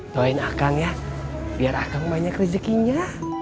doain akang ya biar akang banyak rezekinya